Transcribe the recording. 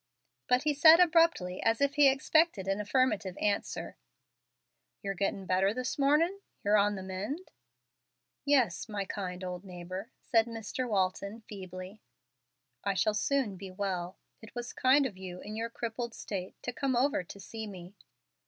But he said abruptly, as if he expected an affirmative answer, "Yer gettin' better this mornin' yer on the mend?" "Yes, my kind old neighbor," said Mr. Walton, feebly. "I shall soon be well. It was kind of you, in your crippled state, to come over to see me."